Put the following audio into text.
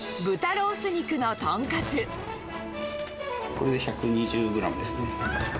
これで１２０グラムですね。